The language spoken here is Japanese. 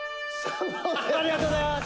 「ありがとうございます！」